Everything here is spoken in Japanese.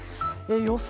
予想